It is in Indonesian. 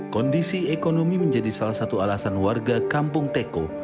kondisi ekonomi menjadi salah satu alasan warga kampung teko